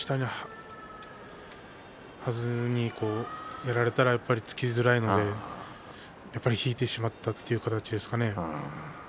はずに出られたらば突きづらいのでやはり引いてしまったという形ですかね。